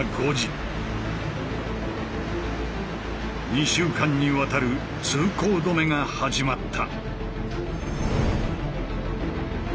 ２週間にわたる通行止めが始まった。